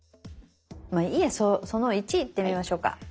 まあいいや「その１」いってみましょうか。